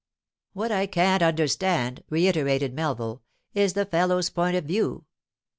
'What I can't understand,' reiterated Melville, 'is the fellow's point of view.